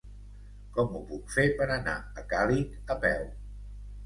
Com ho puc fer per anar a Càlig a peu?